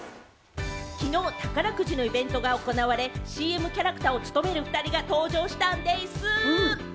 昨日、宝くじのイベントが行われ、ＣＭキャラクターを務める２人が登場したんでぃす！